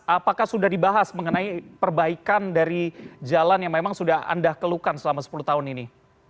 apakah sudah dibahas mengenai perbaikan dari jalan yang memang sudah anda kelukan selama sepuluh tahun ini